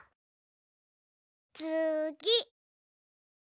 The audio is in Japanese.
つぎ。